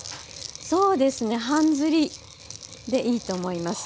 そうですね半ずりでいいと思います。